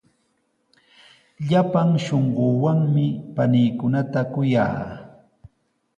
Llapan shunquuwanmi paniikunata kuyaa.